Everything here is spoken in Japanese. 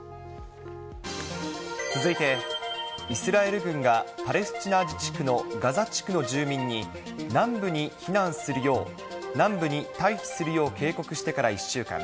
続いて、イスラエル軍がパレスチナ自治区のガザ地区の住民に、南部に避難するよう、南部に退避するよう警告してから１週間。